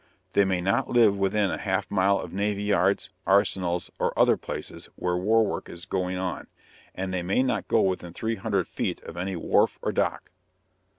They may not live within a half mile of navy yards, arsenals, or other places where war work is going on, and they may not go within three hundred feet of any wharf or dock.